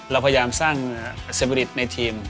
เราพยายามสร้างเซบิริตในทีม